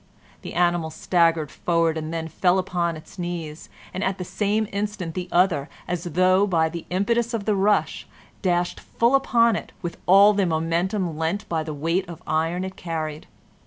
The animal staggered forward, and then fell upon its knees, and at the same instant the other, as though by the impetus of the rush, dashed full upon it with all the momentum lent by the weight of iron it carried.